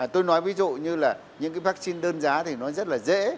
tôi nói ví dụ như là những cái vaccine đơn giá thì nó rất là dễ